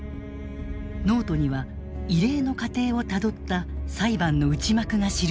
ノートには異例の過程をたどった裁判の内幕が記されている。